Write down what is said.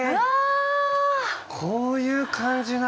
こういう感じなの。